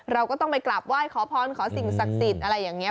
เราก็ต้องไปกราบไหว้ขอพรขอสิ่งศักดิ์สิทธิ์อะไรอย่างนี้